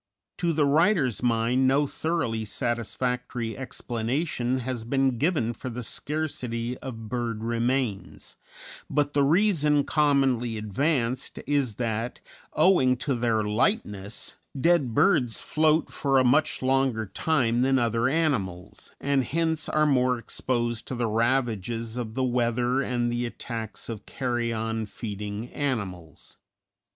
To the writer's mind no thoroughly satisfactory explanation has been given for the scarcity of bird remains; but the reason commonly advanced is that, owing to their lightness, dead birds float for a much longer time than other animals, and hence are more exposed to the ravages of the weather and the attacks of carrion feeding animals.